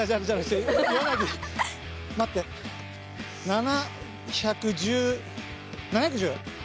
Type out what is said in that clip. ７１０７１０！